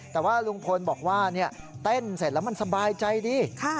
แต่ว่าลุงพลบอกว่าเต้นเสร็จแล้วมันสบายใจดี